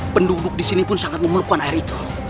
penduduk disini pun sangat memelukkan air itu